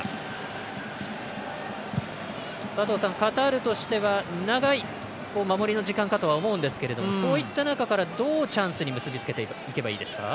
佐藤さん、カタールとしては長い守りの時間かとは思うんですがそういった中からどうチャンスに結び付けていけばいいですか？